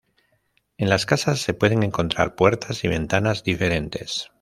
En las casas se pueden encontrar puertas y ventanas diferentes.